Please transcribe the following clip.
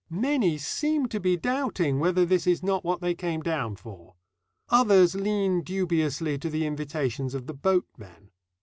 Many seem to be doubting whether this is not what they came down for. Others lean dubiously to the invitations of the boatmen.